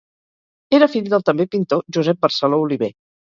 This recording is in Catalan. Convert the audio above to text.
Era fill del també pintor Josep Barceló Oliver.